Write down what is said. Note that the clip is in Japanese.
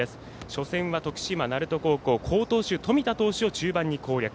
初戦は徳島、鳴門高校好投手冨田投手を中盤に攻略。